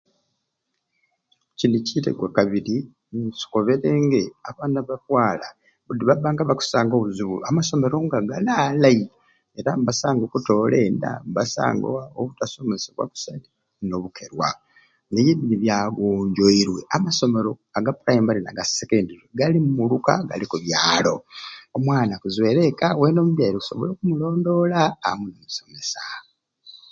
Kini kiri gwakabiri nkoberenge abaana ba bwala budi babba nga bakusanga obuzibu amasomero nga gal'alai era ne basanga okutoola enda nibasanga obutasomesebwa kusai n'obukerwa naye buni byangonjoibwe amasomero aga pulaimale na ga sekendule gali mu muluka gali mu byalo omwana akuzwer'eka weena omubyaire osobola okumulondoola amwe n'okusomesya.